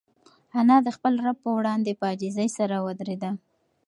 انا د خپل رب په وړاندې په عاجزۍ سره ودرېده.